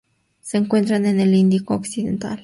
Se encuentra en el Índico occidental